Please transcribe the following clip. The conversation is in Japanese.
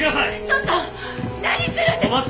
ちょっと何するんですか！